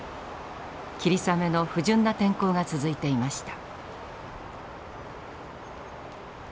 霧雨の不順な天候が続いていました。